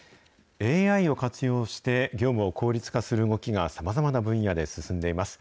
ＡＩを活用して業務を効率化する動きが、さまざまな分野で進んでいます。